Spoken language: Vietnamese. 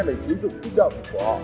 lời sử dụng tích toan của họ